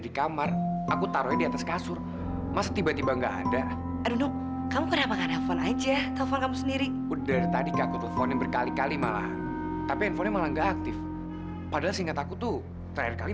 sampai jumpa di video selanjutnya